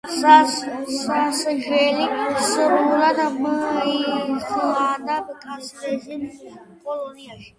სასჯელი სრულად მოიხადა მკაცრი რეჟიმის კოლონიაში.